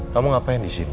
kamu ngapain di sini